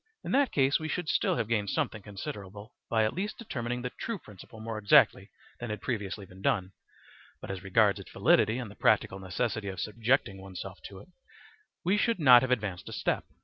In that case we should still have gained something considerable by at least determining the true principle more exactly than had previously been done; but as regards its validity and the practical necessity of subjecting oneself to it, we should not have advanced a step.